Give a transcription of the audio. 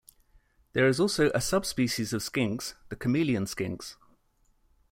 There is also a sub-species of skinks, the chameleon skinks.